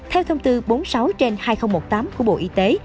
theo thông tư bốn mươi sáu trên hai nghìn một mươi tám của bộ y tế